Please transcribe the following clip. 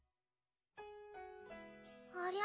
ありゃ？